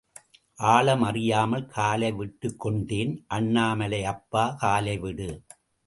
ஆழம் அறியாமல் காலை விட்டுக் கொண்டேன் அண்ணாமலை அப்பா காலை விடு.